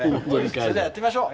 それではやってみましょう。